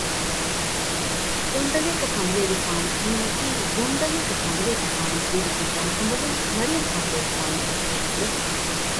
ދޮން ދަލޭކަ ކަނބުލޭގެފާނު ތިން އަކީ ދޮން ދަލޭކަ ކަނބުލޭގެފާނު ދުވި ގެ ދަރިކަނބަލުން މަރިޔަމް ކަނބުލޭގެފާނުގެ ބޭފުޅެއް